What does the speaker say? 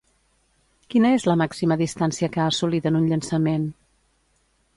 Quina és la màxima distància que ha assolit en un llançament?